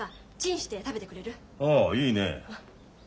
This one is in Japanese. ああいいね。